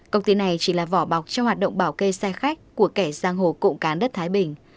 công ty này chỉ là vỏ bọc trong hoạt động bảo kê xe khách của kẻ giang hồ cộng cán đất thái bình